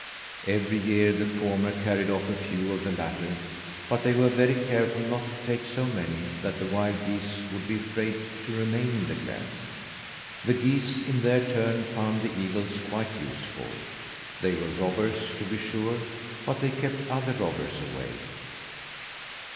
Every year the former carried off a few of the latter, but they were very careful not to take so many that the wild geese would be afraid to remain in the glen. The geese, in their turn, found the eagles quite useful. They were robbers, to be sure, but they kept other robbers away.